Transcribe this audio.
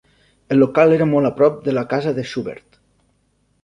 El local era molt a prop de la casa de Schubert.